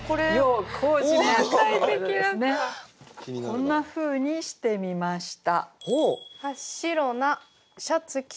こんなふうにしてみました。